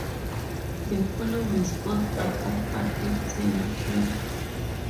The following sports are offered at Taylor Prep.